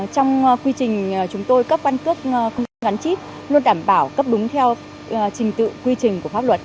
trong quy trình chúng tôi cấp căn cước không gắn chip luôn đảm bảo cấp đúng theo trình tự quy trình của pháp luật